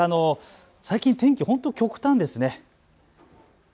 最近、天気ほんとに極端ですよね。